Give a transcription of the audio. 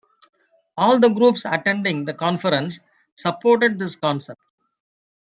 All the groups attending the conference supported this concept.